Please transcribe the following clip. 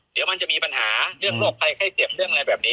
เดี๋ยวมันจะมีปัญหาเรื่องโรคภัยไข้เจ็บเรื่องอะไรแบบนี้